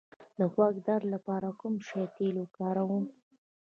د غوږ د درد لپاره د کوم شي تېل وکاروم؟